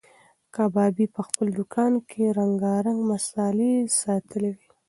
کبابي په خپل دوکان کې رنګارنګ مسالې ساتلې وې.